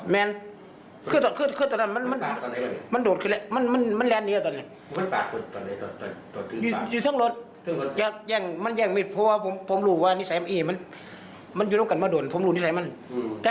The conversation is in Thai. มันอยู่ตรงกันมาโดดผมรู้นิสัยของมันแตกข้อมือไม่ได้